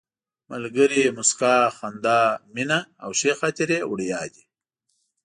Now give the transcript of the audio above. ملګري، موسکا، خندا، مینه او ښې خاطرې وړیا دي.